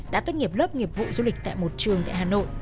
đã tốt nghiệp lớp nghiệp vụ du lịch tại một trường tại hà nội